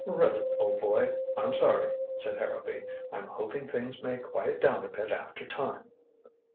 "Really, old boy, I'm sorry," said Harrowby. "I'm hoping things may quiet down a bit after a time."